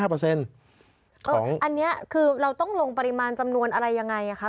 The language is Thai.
เราก็ต้องลงปริมาณจำนวนอะไรอย่างไรคะ